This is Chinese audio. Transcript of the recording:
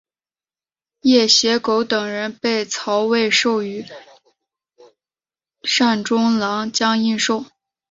掖邪狗等人被曹魏授予率善中郎将印绶。